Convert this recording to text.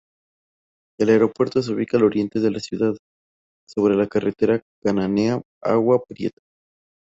El aeropuerto se ubica al oriente de la ciudad, sobre la carretera Cananea-Agua Prieta.